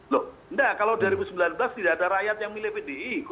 loh enggak kalau dua ribu sembilan belas tidak ada rakyat yang milih pdi